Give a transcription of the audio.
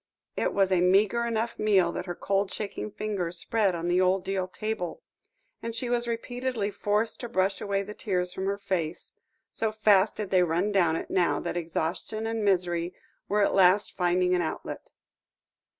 It was a meagre enough meal that her cold shaking fingers spread on the old deal table, and she was repeatedly forced to brush away the tears from her face, so fast did they run down it now that exhaustion and misery were at last finding an outlet.